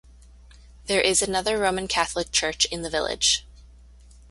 There is another Roman Catholic church in the village.